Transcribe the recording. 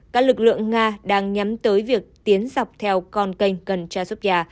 các lực lượng nga đang nhắm tới việc tiến dọc theo con canh gần chasovia